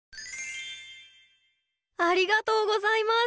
ありがとうございます。